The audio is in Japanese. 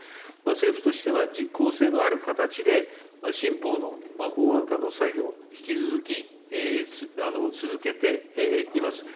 政府としては実効性のある形で、新法の法案化の作業、引き続き続けています。